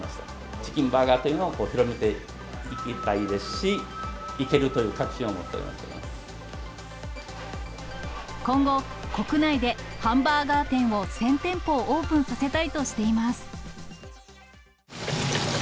チキンバーガーっていうのを広めていきたいですし、いけるという今後、国内でハンバーガー店を１０００店舗オープンさせたいとしています。